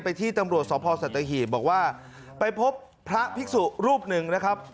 ไปที่ตำรวจสมภาวสัตว์สัตว์หีบบอกว่าไปพบพระภิกษุรูปหนึ่งนะครับ